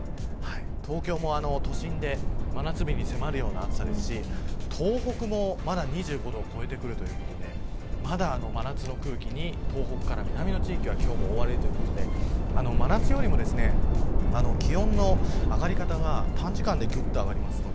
東京も都心で真夏日に迫るような暑さですし東北も２５度を超えてくるという真夏の空気に東北から南の地域は今日も覆われるということで気温の上がり方が短時間で真夏よりもぐっと上がります。